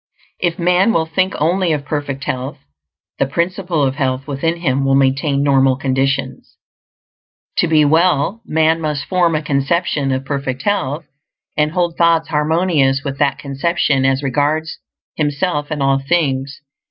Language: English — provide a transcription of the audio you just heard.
If man will think only of perfect health, the Principle of Health within him will maintain normal conditions. To be well, man must form a conception of perfect health, and hold thoughts harmonious with that conception as regards himself and all things.